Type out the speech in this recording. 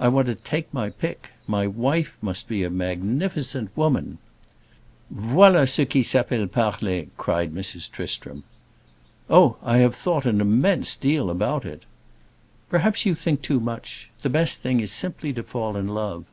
I want to take my pick. My wife must be a magnificent woman." "Voilà ce qui s'appelle parler!" cried Mrs. Tristram. "Oh, I have thought an immense deal about it." "Perhaps you think too much. The best thing is simply to fall in love."